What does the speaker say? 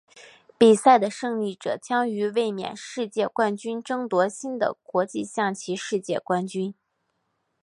比赛的胜利者将与卫冕世界冠军争夺新的国际象棋世界冠军。